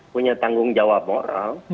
punya tanggung jawab moral